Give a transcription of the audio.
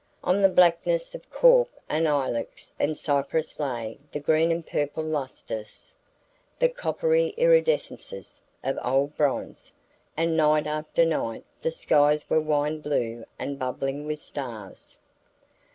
On the blackness of cork and ilex and cypress lay the green and purple lustres, the coppery iridescences, of old bronze; and night after night the skies were wine blue and bubbling with stars.